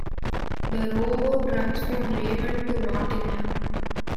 The road runs from Raymond to Nottingham.